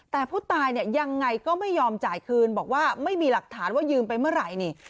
แต่ผู้ตายเนี่ยยังไงก็ไม่ยอมจ่ายคืนบอกว่าไม่มีหลักฐานว่ายืมไปเมื่อไหร่นี่